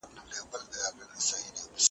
چاته په کور کې شاه بلبلې ناستې دینه